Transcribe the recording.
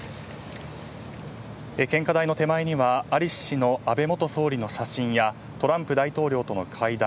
献花台の手前には在りし日の安倍元総理の写真やトランプ大統領との会談